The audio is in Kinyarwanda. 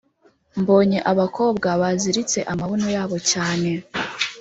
mbonye abakobwa baziritse amabuno yabo cyane